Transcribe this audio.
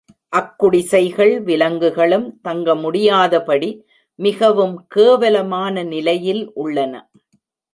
அக்குடிசைகள் விலங்குகளும் தங்கமுடியாதபடி மிகவும் கேவலமான நிலையில் உள்ளன.